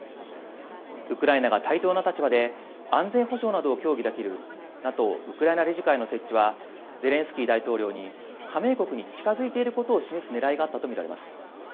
ウクライナが対等な立場で安全保障などを協議できるＮＡＴＯウクライナ理事会の設置はゼレンスキー大統領に加盟国に近づいていることを示す狙いがあったとみられます。